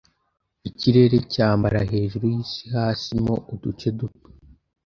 Ikirere cyambara hejuru yisi hasi mo uduce duto